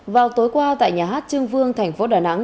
vào tối qua tại nhà hát trưng vương thành phố đà nẵng